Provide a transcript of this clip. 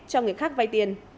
cho người khác vay tiền